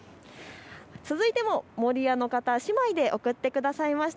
続いても守谷の方、姉妹で送ってくださいました。